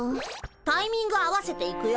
タイミング合わせていくよ。